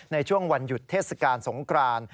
ในช่วงวันหยุดเทศกาลสงคราน